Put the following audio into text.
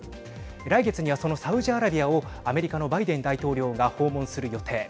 来月には、そのサウジアラビアをアメリカのバイデン大統領が訪問する予定。